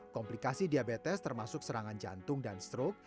komplikasi diabetes termasuk serangan jantung dan strok